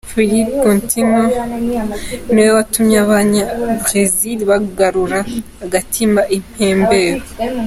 Philippe Coutinho niwe watumye abanya-Brezil bagarura agatima impembero.